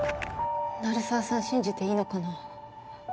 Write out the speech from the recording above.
鳴沢さん信じていいのかな？